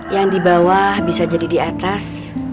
yang di bawah bisa jadi di atas